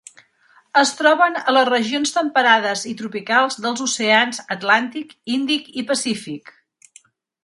Es troben a les regions temperades i tropicals dels oceans Atlàntic, Índic i Pacífic.